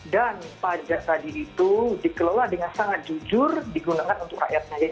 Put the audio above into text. dan pajak tadi itu dikelola dengan sangat jujur digunakan untuk rakyatnya